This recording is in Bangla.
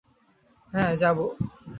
হ্যাঁ, যাব।